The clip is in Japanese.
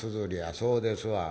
「そうですわ。